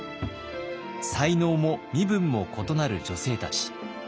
才能も身分も異なる女性たち。